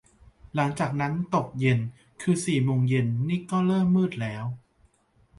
หลังจากนั้นตกเย็น คือสี่โมงเย็นนี้ก็เริ่มมืดแล้ว